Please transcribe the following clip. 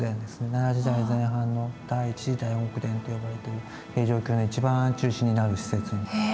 奈良時代前半の第一次大極殿と呼ばれている平城京の一番中心になる施設です。